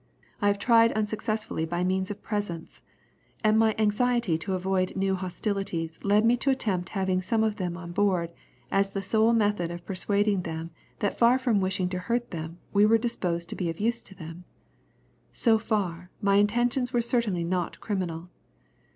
I had tried unsuccessfully by means of presents and my anxiety to avoid new hostilities led me to attempt having some of them on board, as the sole method of persuading them that far from wishing to hurt them, we were disposed to be of use to them. So far, my intentions were certainly not criminal.